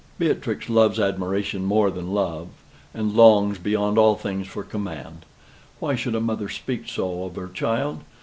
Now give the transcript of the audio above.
Beatrix loves admiration more than love; and longs, beyond all things, for command. Why should a mother speak so of her child?